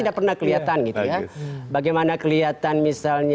dpr pak mengapa d diamond in indonesianeny